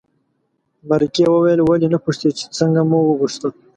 مرکې وویل ولې نه پوښتې چې څنګه مو وغوښته.